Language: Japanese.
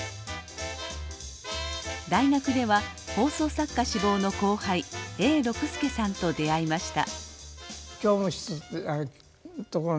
大学では放送作家志望の後輩永六輔さんと出会いました。